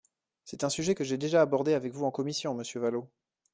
C’est un sujet que j’ai déjà abordé avec vous en commission, monsieur Vallaud.